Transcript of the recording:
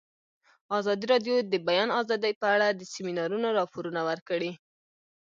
ازادي راډیو د د بیان آزادي په اړه د سیمینارونو راپورونه ورکړي.